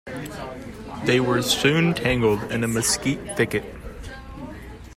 They were soon tangled in a mesquite thicket.